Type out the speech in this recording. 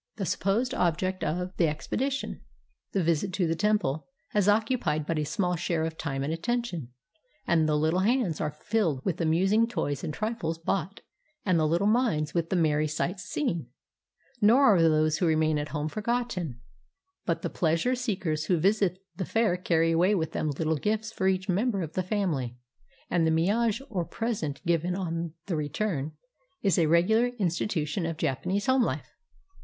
The supposed object of 405 JAPAN the expedition, the visit to the temple, has occupied but a small share of time and attention, and the Httle hands are filled with the amusing toys and trifles bought, and the Uttle minds with the merry sights seen. Nor are those who remain at home forgotten, but the pleasure seekers who visit the fair carry away with them Uttle gifts for each member of the family, and the 0 miage, or present given on the return, is a regular institution of Japanese home Ufe.